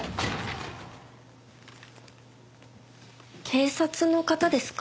警察の方ですか？